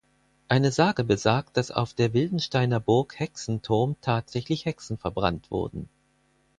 Eine Sage besagt, dass auf der Wildensteiner Burg Hexenturm tatsächlich Hexen verbrannt wurden.